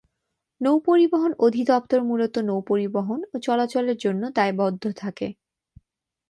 নৌপরিবহন অধিদপ্তর মূলত নৌপরিবহন ও চলাচলের জন্য দায়বদ্ধ থাকে।